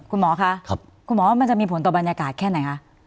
คุณหมอคะคุณหมอว่ามันจะมีผลต่อบรรยากาศแค่ไหนคะ